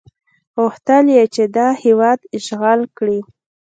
غوښتل یې چې دا هېواد اشغال کړي.